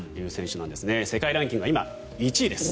世界ランキングは今、１位です。